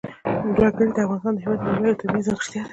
وګړي د افغانستان هېواد یوه لویه او طبیعي ځانګړتیا ده.